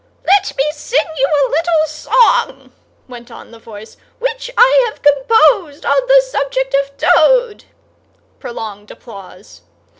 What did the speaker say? "—Let me sing you a little song," went on the voice, "which I have composed on the subject of Toad"—(prolonged applause).